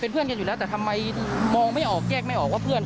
เพื่อนกันอยู่แล้วแต่ทำไมมองไม่ออกแยกไม่ออกว่าเพื่อน